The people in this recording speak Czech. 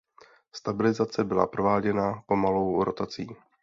Stabilizace byla prováděna pomalou rotací.